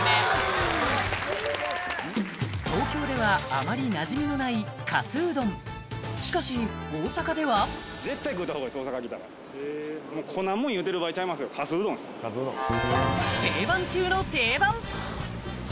東京ではあまりなじみのないかすうどんしかし大阪では大阪来たら定番中の定番！